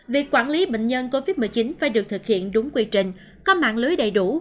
việc quản lý bệnh nhân covid một mươi chín phải được thực hiện đúng quy trình có mạng lưới đầy đủ